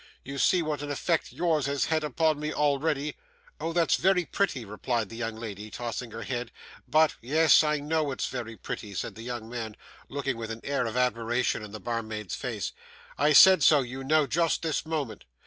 You see what an effect yours has had upon me already.' 'Oh, that's very pretty,' replied the young lady, tossing her head, 'but ' 'Yes, I know it's very pretty,' said the young man, looking with an air of admiration in the barmaid's face; 'I said so, you know, just this moment.